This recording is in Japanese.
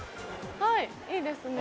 はいいいですね。